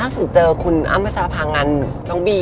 ล่าสุดเจอคุณอ้ำภาษาภาคงานน้องบี